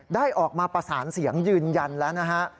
ได้ออกมาประสานเสียงยืนยันแล้วนะฮะ